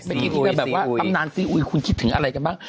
เมื่อกี้ที่แบบว่าตำนานซีอุยคุณคิดถึงอะไรกันบ้าง